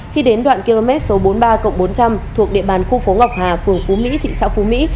khi đến đoạn km số bốn mươi ba cộng bốn trăm linh thuộc địa bàn khu phố ngọc hà phường phú mỹ thị xã phú mỹ